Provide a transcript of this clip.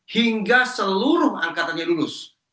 hingga seluruh angkatannya lulus